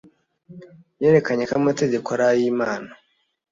Yerekanye ko amategeko ari ay'Imana,